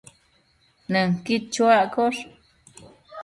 Nënquid chuaccosh